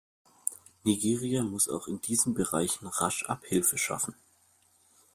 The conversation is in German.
Nigeria muss auch in diesen Bereichen rasch Abhilfe schaffen.